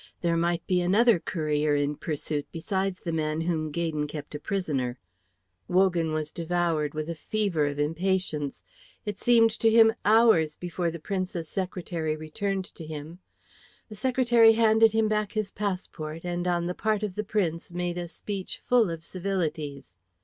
There might be another courier in pursuit besides the man whom Gaydon kept a prisoner. Wogan was devoured with a fever of impatience. It seemed to him hours before the Prince's secretary returned to him. The secretary handed him back his passport, and on the part of the Prince made a speech full of civilities.